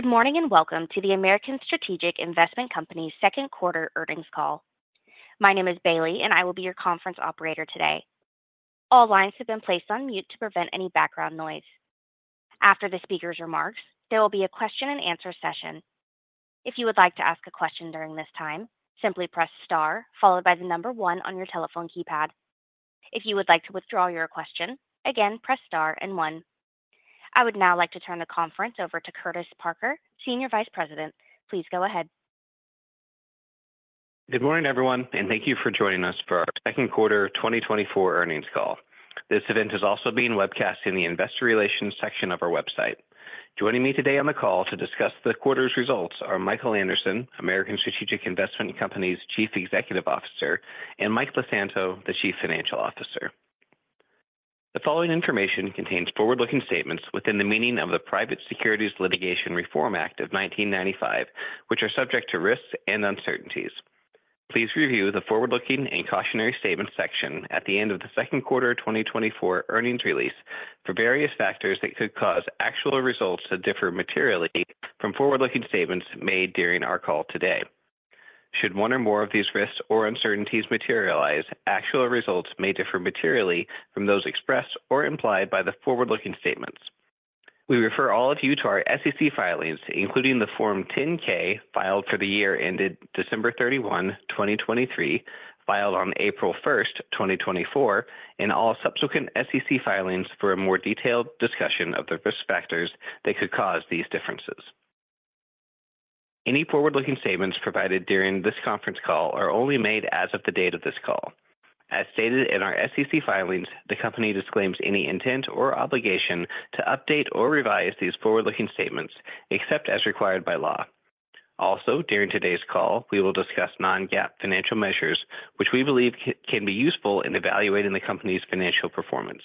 Good morning, and welcome to the American Strategic Investment Company's Q2 earnings call. My name is Bailey, and I will be your conference operator today. All lines have been placed on mute to prevent any background noise. After the speaker's remarks, there will be a Q&A session. If you would like to ask a question during this time, simply press star followed by the number one on your telephone keypad. If you would like to withdraw your question, again, press star and one. I would now like to turn the conference over to Curtis Parker, Senior Vice President. Please go ahead. @Good morning, everyone, and thank you for joining us for our Q2 2024 earnings call. This event is also being webcast in the Investor Relations section of our website. Joining me today on the call to discuss the quarter's results are Michael Anderson, American Strategic Investment Company's Chief Executive Officer, and Mike LeSanto, the Chief Financial Officer. The following information contains forward-looking statements within the meaning of the Private Securities Litigation Reform Act of 1995, which are subject to risks and uncertainties. Please review the forward-looking and cautionary statement section at the end of the Q2 2024 earnings release for various factors that could cause actual results to differ materially from forward-looking statements made during our call today. Should one or more of these risks or uncertainties materialize, actual results may differ materially from those expressed or implied by the forward-looking statements. We refer all of you to our SEC filings, including the Form 10-K filed for the year ended December 31, 2023, filed on April 1, 2024, and all subsequent SEC filings for a more detailed discussion of the risk factors that could cause these differences. Any forward-looking statements provided during this conference call are only made as of the date of this call. As stated in our SEC filings, the company disclaims any intent or obligation to update or revise these forward-looking statements, except as required by law. Also, during today's call, we will discuss non-GAAP financial measures, which we believe can be useful in evaluating the company's financial performance.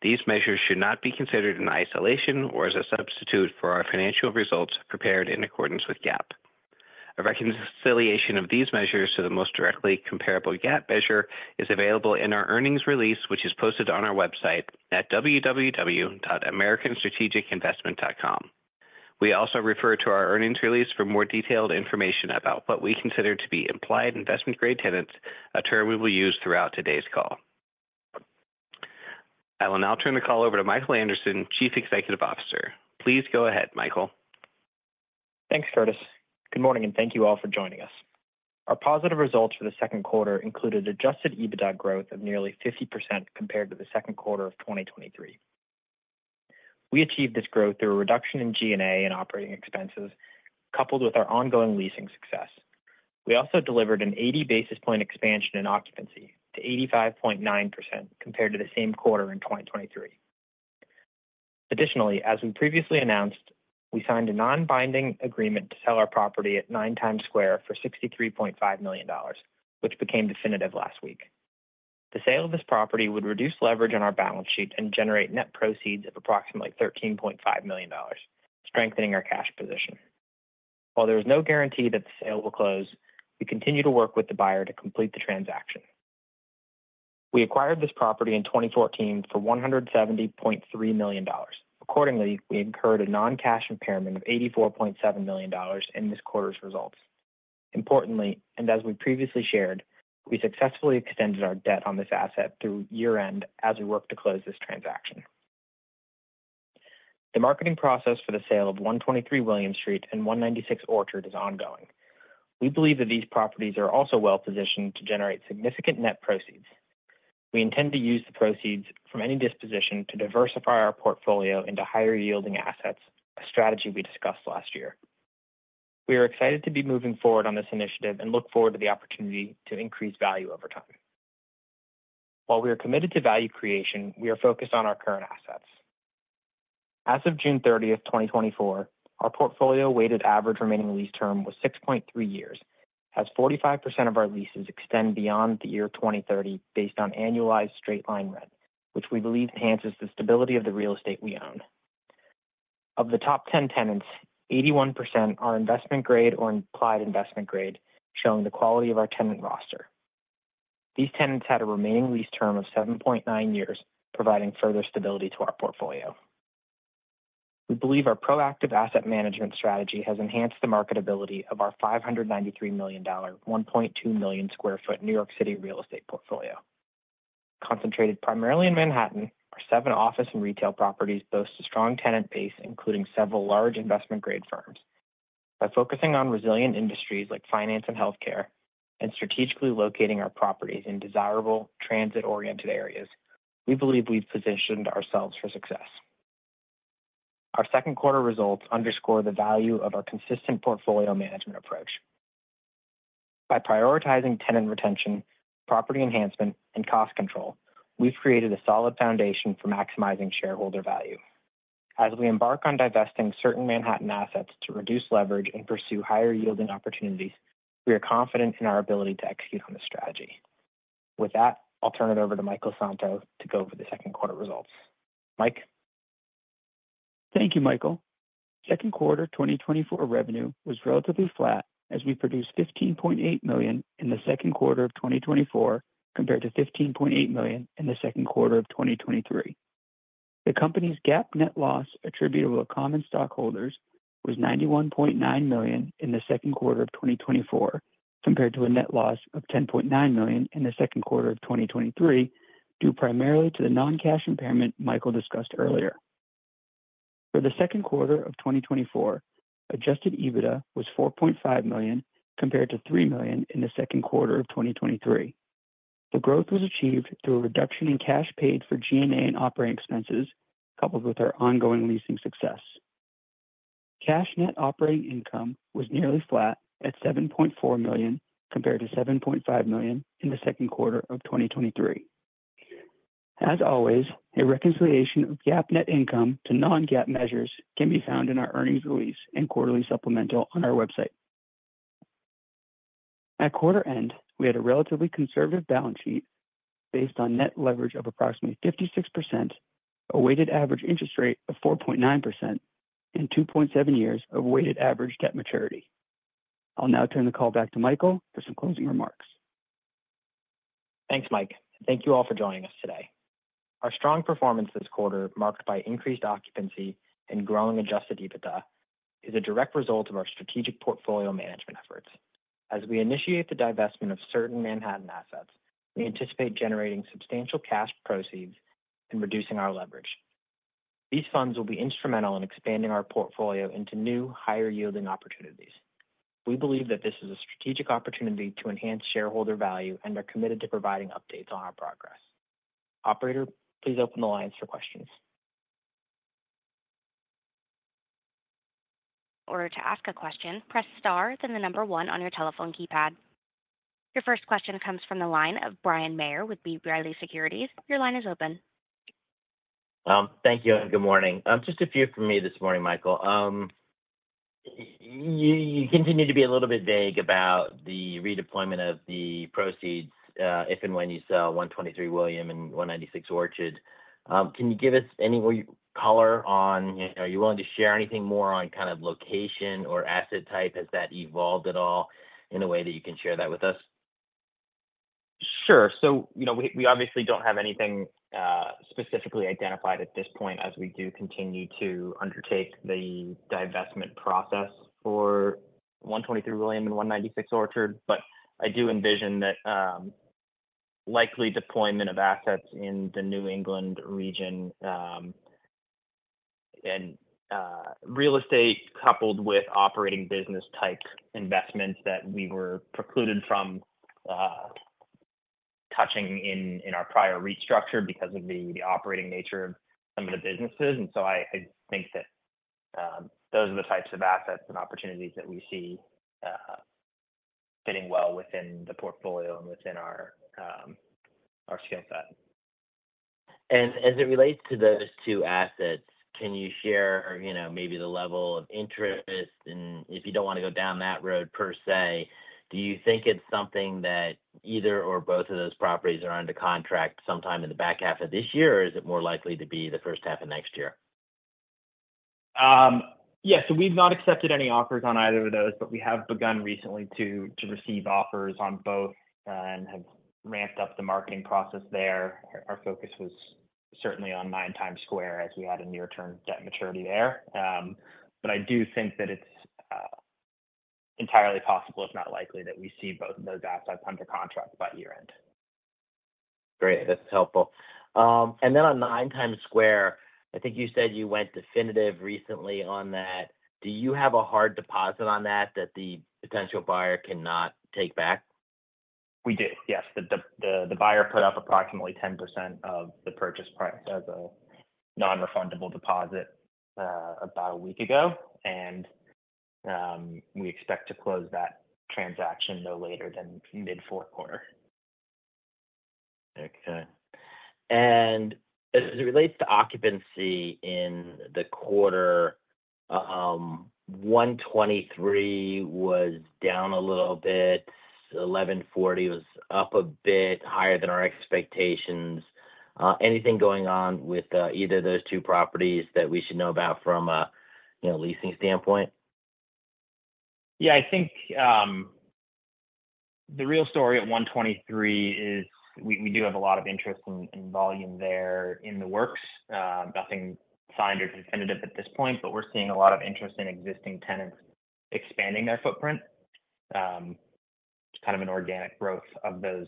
These measures should not be considered in isolation or as a substitute for our financial results prepared in accordance with GAAP. A reconciliation of these measures to the most directly comparable GAAP measure is available in our earnings release, which is posted on our website at www.americanstrategicinvestment.com. We also refer to our earnings release for more detailed information about what we consider to be implied investment-grade tenants, a term we will use throughout today's call. I will now turn the call over to Michael Anderson, Chief Executive Officer. Please go ahead, Michael. Thanks, Curtis. Good morning, and thank you all for joining us. Our positive results for the Q2 included adjusted EBITDA growth of nearly 50% compared to the Q2 of 2023. We achieved this growth through a reduction in G&A and operating expenses, coupled with our ongoing leasing success. We also delivered an 80 basis point expansion in occupancy to 85.9% compared to the same quarter in 2023. Additionally, as we previously announced, we signed a non-binding agreement to sell our property at 9 Times Square for $63.5 million, which became definitive last week. The sale of this property would reduce leverage on our balance sheet and generate net proceeds of approximately $13.5 million, strengthening our cash position. While there is no guarantee that the sale will close, we continue to work with the buyer to complete the transaction. We acquired this property in 2014 for $170.3 million. Accordingly, we incurred a non-cash impairment of $84.7 million in this quarter's results. Importantly, and as we previously shared, we successfully extended our debt on this asset through year-end as we work to close this transaction. The marketing process for the sale of 123 William Street and 196 Orchard Street is ongoing. We believe that these properties are also well positioned to generate significant net proceeds. We intend to use the proceeds from any disposition to diversify our portfolio into higher-yielding assets, a strategy we discussed last year. We are excited to be moving forward on this initiative and look forward to the opportunity to increase value over time. While we are committed to value creation, we are focused on our current assets. As of June 30, 2024, our portfolio weighted average remaining lease term was 6.3 years, as 45% of our leases extend beyond the year 2030, based on annualized straight-line rent, which we believe enhances the stability of the real estate we own. Of the top ten tenants, 81% are investment-grade or implied investment-grade, showing the quality of our tenant roster. These tenants had a remaining lease term of 7.9 years, providing further stability to our portfolio. We believe our proactive asset management strategy has enhanced the marketability of our $593 million, 1.2 million sq ft New York City real estate portfolio. Concentrated primarily in Manhattan, our 7 office and retail properties boast a strong tenant base, including several large investment-grade firms. By focusing on resilient industries like finance and healthcare, and strategically locating our properties in desirable transit-oriented areas, we believe we've positioned ourselves for success. Our Q2 results underscore the value of our consistent portfolio management approach. By prioritizing tenant retention, property enhancement, and cost control, we've created a solid foundation for maximizing shareholder value. As we embark on divesting certain Manhattan assets to reduce leverage and pursue higher-yielding opportunities, we are confident in our ability to execute on this strategy. With that, I'll turn it over to Mike LeSanto to go over the Q2 results. Mike? Thank you, Michael. Q2 2024 revenue was relatively flat, as we produced $15.8 million in the Q2 of 2024, compared to $15.8 million in the Q2 of 2023. The company's GAAP net loss attributable to common stockholders was $91.9 million in the Q2 of 2024, compared to a net loss of $10.9 million in the Q2 of 2023, due primarily to the non-cash impairment Michael discussed earlier. For the Q2 of 2024, Adjusted EBITDA was $4.5 million, compared to $3 million in the Q2 of 2023. The growth was achieved through a reduction in cash paid for G&A and operating expenses, coupled with our ongoing leasing success. Cash Net Operating Income was nearly flat at $7.4 million, compared to $7.5 million in the Q2 of 2023. As always, a reconciliation of GAAP net income to non-GAAP measures can be found in our earnings release and quarterly supplemental on our website. At quarter end, we had a relatively conservative balance sheet based on net leverage of approximately 56%, a weighted average interest rate of 4.9%, and 2.7 years of weighted average debt maturity. I'll now turn the call back to Michael for some closing remarks. Thanks, Mike. Thank you all for joining us today. Our strong performance this quarter, marked by increased occupancy and growing Adjusted EBITDA, is a direct result of our strategic portfolio management efforts. As we initiate the divestment of certain Manhattan assets, we anticipate generating substantial cash proceeds and reducing our leverage. These funds will be instrumental in expanding our portfolio into new, higher-yielding opportunities. We believe that this is a strategic opportunity to enhance shareholder value and are committed to providing updates on our progress. Operator, please open the lines for questions. Or to ask a question, press star, then the number one on your telephone keypad. Your first question comes from the line of Bryan Maher with B. Riley Securities. Your line is open. Thank you, and good morning. Just a few from me this morning, Michael. You continue to be a little bit vague about the redeployment of the proceeds, if and when you sell 123 William and 196 Orchard. Can you give us any color on? Are you willing to share anything more on kind of location or asset type? Has that evolved at all in a way that you can share that with us? Sure. So, you know, we, obviously don't have anything specifically identified at this point as we do continue to undertake the divestment process for 123 William and 196 Orchard. But I do envision that likely deployment of assets in the New England region and real estate coupled with operating business-type investments that we were precluded from touching in our prior restructure because of the operating nature of some of the businesses. And so I, I think that those are the types of assets and opportunities that we see fitting well within the portfolio and within our our skill set. As it relates to those two assets, can you share, you know, maybe the level of interest? If you don't want to go down that road per se, do you think it's something that either or both of those properties are under contract sometime in the back half of this year, or is it more likely to be the first half of next year? Yeah, so we've not accepted any offers on either of those, but we have begun recently to receive offers on both, and have ramped up the marketing process there. Our focus was certainly on 9 Times Square, as we had a near-term debt maturity there. But I do think that it's entirely possible, if not likely, that we see both of those assets under contract by year-end. Great, that's helpful. And then on 9 Times Square, I think you said you went definitive recently on that. Do you have a hard deposit on that, that the potential buyer cannot take back? We do, yes. The buyer put up approximately 10% of the purchase price as a non-refundable deposit about a week ago, and we expect to close that transaction no later than mid-Q4. Okay. And as it relates to occupancy in the quarter, 123 was down a little bit, 1140 was up a bit higher than our expectations. Anything going on with either of those two properties that we should know about from a, you know, leasing standpoint? Yeah, I think the real story at 123 is we do have a lot of interest and volume there in the works. Nothing signed or definitive at this point, but we're seeing a lot of interest in existing tenants expanding their footprint. Kind of an organic growth of those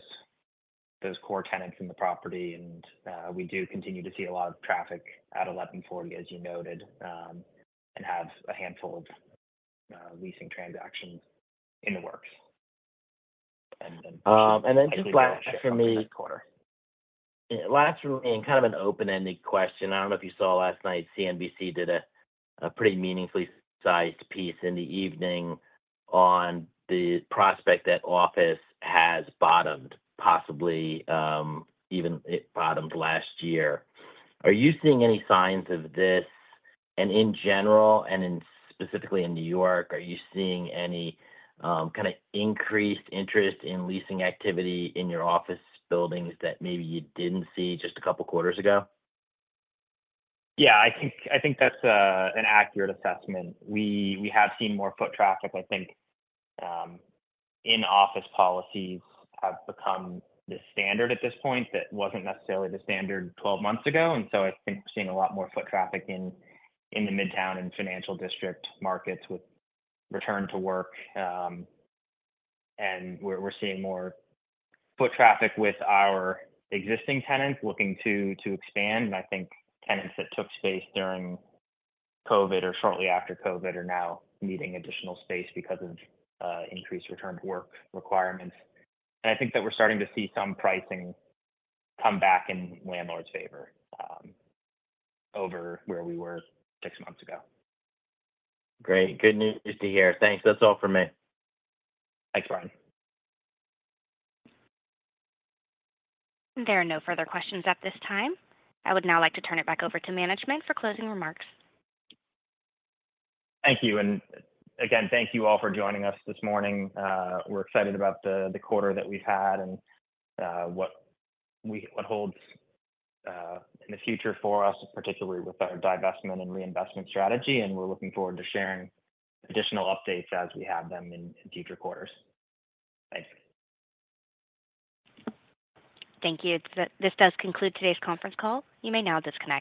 core tenants in the property. And we do continue to see a lot of traffic at 1140, as you noted, and have a handful of leasing transactions in the works. And then just last for me- Next quarter. Last, and kind of an open-ended question. I don't know if you saw last night, CNBC did a pretty meaningfully sized piece in the evening on the prospect that office has bottomed, possibly, even it bottomed last year. Are you seeing any signs of this? And in general, and in specifically in New York, are you seeing any kind of increased interest in leasing activity in your office buildings that maybe you didn't see just a couple of quarters ago? Yeah, I think that's an accurate assessment. We have seen more foot traffic. I think in-office policies have become the standard at this point. That wasn't necessarily the standard 12 months ago, and so I think we're seeing a lot more foot traffic in the Midtown and Financial District markets with return to work. And we're seeing more foot traffic with our existing tenants looking to expand. And I think tenants that took space during COVID or shortly after COVID are now needing additional space because of increased return to work requirements. And I think that we're starting to see some pricing come back in landlord's favor over where we were six months ago. Great. Good news to hear. Thanks. That's all for me. Thanks, Brian. There are no further questions at this time. I would now like to turn it back over to management for closing remarks. Thank you. And again, thank you all for joining us this morning. We're excited about the quarter that we've had and what holds in the future for us, particularly with our divestment and reinvestment strategy, and we're looking forward to sharing additional updates as we have them in future quarters. Thanks. Thank you. This does conclude today's conference call. You may now disconnect.